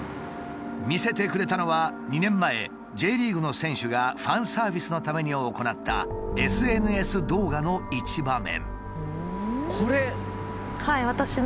見せてくれたのは２年前Ｊリーグの選手がファンサービスのために行ったＳＮＳ動画の一場面。